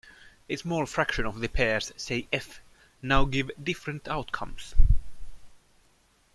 A small fraction of the pairs, say "f", now give different outcomes.